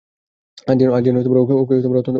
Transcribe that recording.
আজ যেন ওকে অত্যন্ত কাছের থেকে দেখা গেল।